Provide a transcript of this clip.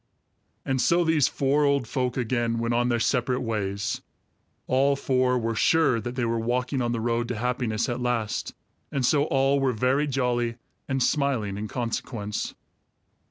And so these four old folk again went on their separate ways. All four were sure that they were walking on the road to happiness at last, and so all were very jolly and smiling in consequence.